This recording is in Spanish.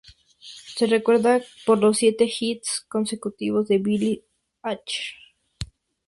Se recuerda por los siete hits consecutivos de Billy Hatcher.